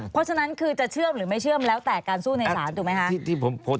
เพราะฉะนั้นคือจะเชื่อมหรือไม่เชื่อมแล้วแต่การสู้ในศาลถูกไหมคะ